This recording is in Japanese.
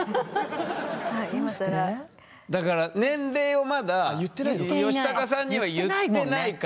だから年齢をまだヨシタカさんには言ってないから。